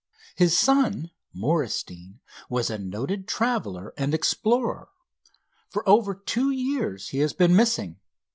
His son, Morris Deane, was a noted traveler and explorer. For over two years he has been missing.